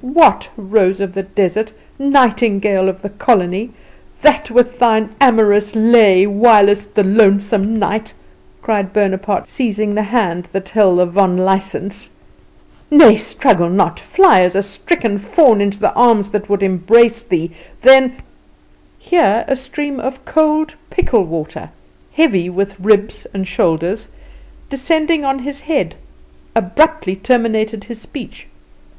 "What, rose of the desert, nightingale of the colony, that with thine amorous lay whilest the lonesome night!" cried Bonaparte, seizing the hand that held the vonlicsense. "Nay, struggle not! Fly as a stricken fawn into the arms that would embrace thee, thou " Here a stream of cold pickle water, heavy with ribs and shoulders, descending on his head abruptly terminated his speech.